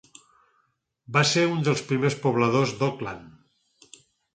Va ser un dels primers pobladors d'Auckland.